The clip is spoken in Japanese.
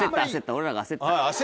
俺らが焦った。